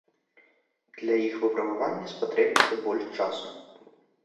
Для іх выпрабавання спатрэбіцца больш часу.